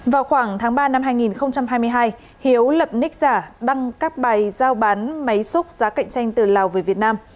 vào khoảng tháng ba năm hai nghìn hai mươi hai hiếu lập nic giả đăng các bài giao bán máy xúc giá cạnh tranh từ lào về việt nam